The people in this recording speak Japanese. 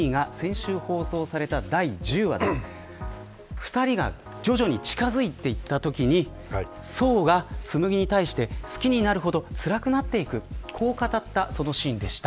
２人が徐々に近づいていったときに想が紬に対して好きになるほどつらくなっていくと語ったシーンでした。